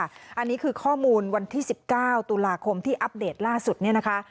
อันนี้คือข้อมูลวันที่๑๙ตุลาคมที่อัปเดตล่าสุดเนี่ยนะคะ